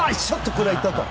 これはいったと。